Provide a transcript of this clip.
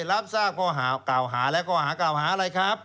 รับทราบข้อกล่าวหาและข้อหากล่าวหาอะไรครับ